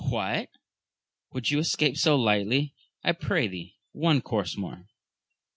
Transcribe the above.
— What ! would you escape so lightly ? I pray thee one course more !